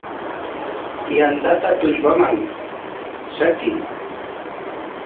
Yantata tullpaman shatiy.